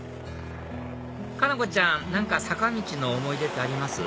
佳菜子ちゃん何か坂道の思い出ってあります？